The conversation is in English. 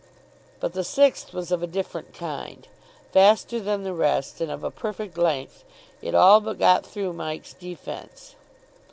But the sixth was of a different kind. Faster than the rest and of a perfect length, it all but got through Mike's defence.